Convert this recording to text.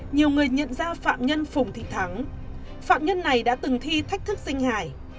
nhiều người nhận ra phạm nhân phùng thị thắng phạm nhân này đã từng thi thách thức sinh hải